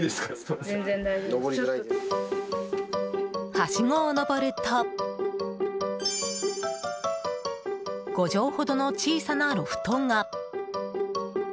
はしごを上ると５畳ほどの小さなロフトが。